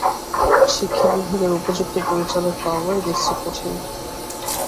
শিক্ষাবিভাগের উপযুক্ত পরিচালক পাওয়াই দেখছি কঠিন।